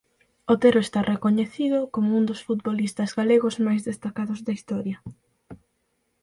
Otero está recoñecido como un dos futbolistas galegos máis destacados da historia.